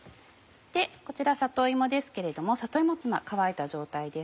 こちら里芋ですけれども里芋今乾いた状態です。